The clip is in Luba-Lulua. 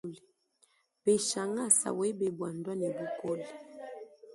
Mpeshe ngasa webe bwa ndwe ne bukole.